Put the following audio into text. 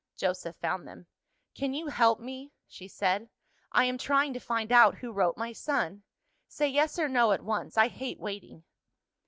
Joseph found them. "Can you help me?" she said. "I am trying to find out who wrote my son. Say yes, or no, at once; I hate waiting."